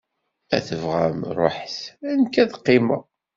Ma tebɣam ruḥet, nek ad qqimeɣ.